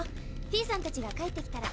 フィーさんたちが帰ってきたら。